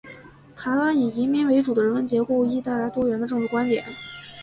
台湾以移民为主的人文结构，亦带来多元的政治观点。